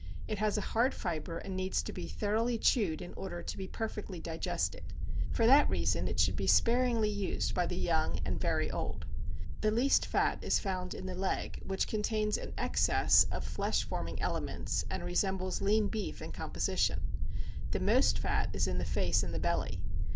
It has a hard fibre, and needs to be thoroughly chewed in order to be perfectly digested; for that reason it should be sparingly used by the young and the very old. The least fat is found in the leg, which contains an excess of flesh forming elements, and resembles lean beef in composition; the most fat is in the face and belly.